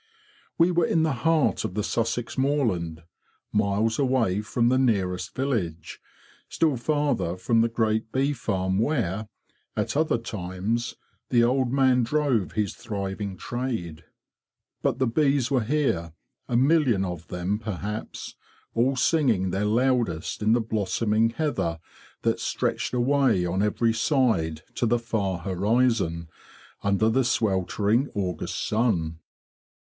We were in the heart of the Sussex moorland, miles away from the nearest village, still farther from the great bee farm where, at other times, the old man drove his thriving trade. But the bees were here—a million of them perhaps—all singing their loudest in the blossom ing heather that stretched away on every side to the far horizon, under the sweltering August sun.